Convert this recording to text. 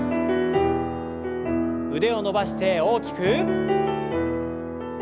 腕を伸ばして大きく。